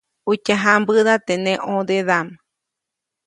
Utye jãmbäda teʼ neʼ ʼõdedaʼm.